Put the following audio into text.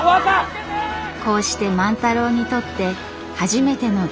こうして万太郎にとって初めての東京旅行。